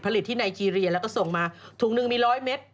ผลิตที่ไนเจรียแล้วก็ส่งมาถุงหนึ่งมีร้อยเมตร